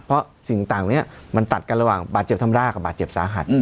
เพราะสิ่งต่างนี้มันตัดกันระหว่างบาดเจ็บทำร่ากับบาดเจ็บสาหัส